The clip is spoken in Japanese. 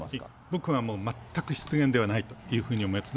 僕はもう、全く失言ではないというふうに思います。